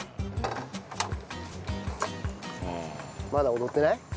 まだ踊ってない？